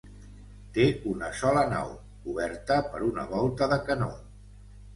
Té una sola nau, coberta per una volta de canó.